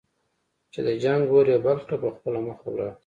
چې د جنګ اور یې بل کړ په خپله مخه ولاړ.